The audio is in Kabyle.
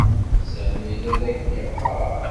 Sami la ak-d-yeɣɣar.